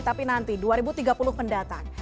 tapi nanti dua ribu tiga puluh mendatang